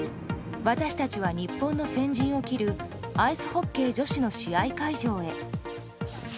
私たちは日本の先陣を切るアイスホッケー女子の試合会場へ。